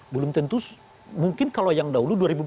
belum tentu mungkin kalau yang dahulu